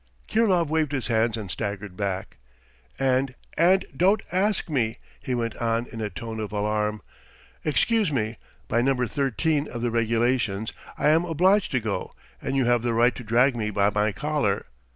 .." Kirilov waved his hands and staggered back. "And ... and don't ask me," he went on in a tone of alarm. "Excuse me. By No. XIII of the regulations I am obliged to go and you have the right to drag me by my collar